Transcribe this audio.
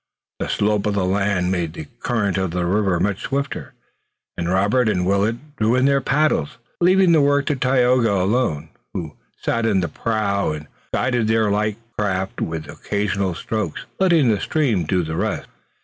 The slope of the land made the current of the river much swifter, and Robert and Willet drew in their paddles, leaving the work to Tayoga alone, who sat in the prow and guided their light craft with occasional strokes, letting the stream do the rest.